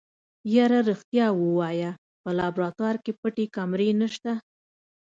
يره رښتيا ووايه په لابراتوار کې پټې کمرې نشته.